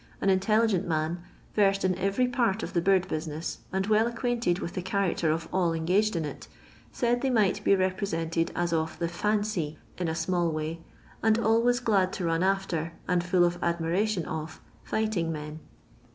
An intelligent man, Terted in cTery part of the bird butincM, and well acquainted with the character of all engaged in it, ■aid they might be represented as of *' the fiuicy," in a small way, and siways glad to run after, and iiill of admiration o^ fighting men.